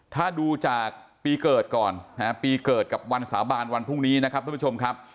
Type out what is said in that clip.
ถ้าดูจากปีเกิดก่อนนะฮะปีเกิดกับวันสาบานวันพรุ่งนี้นะครับทุกผู้ชมครับ